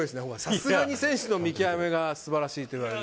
さすがに選手の見極めがすばらしいといわれる。